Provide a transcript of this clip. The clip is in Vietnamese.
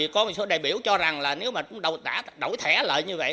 có một số đại biểu cho rằng là nếu mà đổi thẻ lại như vậy